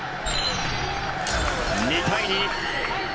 ２対２。